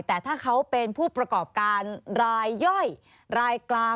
แต่ถ้าเขาเป็นผู้ประกอบการรายย่อยรายกลาง